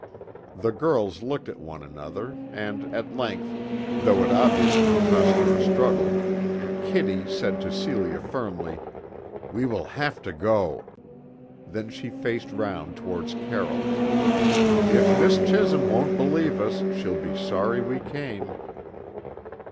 The girls looked at one another, and at length, though it obviously cost her a struggle, Kitty said to Celia firmly: "We will have to go." Then she faced round towards Carroll. "If Miss Chisholm won't believe us she'll be sorry we came."